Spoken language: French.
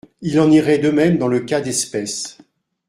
Il en irait de même dans le cas d’espèce.